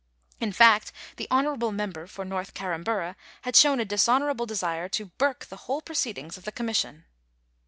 In fact, the honourable member for North Carramburra had shown a dishonourable desire to burke the whole proceedings of the Commission.